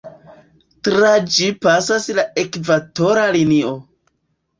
Tra ĝi pasas la Ekvatora Linio.